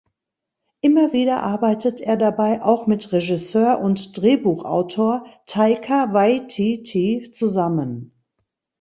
Immer wieder arbeitet er dabei auch mit Regisseur und Drehbuchautor Taika Waititi zusammen.